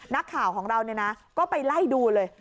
นักข่าวของเราก็ไปไล่ดูเลย